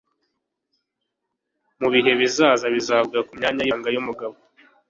mu bihe bizaza bazavuga ku myanya y'ibanga y'umugabo